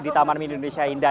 di taman mini indonesia indah